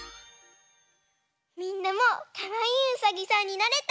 みんなもかわいいうさぎさんになれた？